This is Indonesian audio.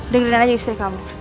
dengerin aja istri kamu